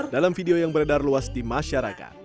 dalam video yang beredar luas di masyarakat